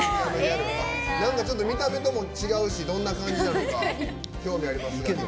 見た目とも違うしどんな感じなのか興味あります。